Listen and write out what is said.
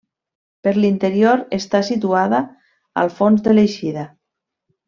Per l'interior està situada al fons de l'eixida.